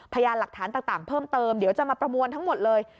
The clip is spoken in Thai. พยานหลักฐานต่างเพิ่มเติมเดี๋ยวจะมาประมวลทั้งหมดเลย